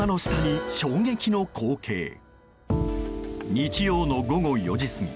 日曜の午後４時過ぎ